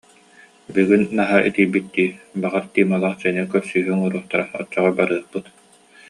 Бүгүн наһаа итийбит дии, баҕар, Тималаах Женя көрсүһүү оҥоруохтара, оччоҕо барыахпыт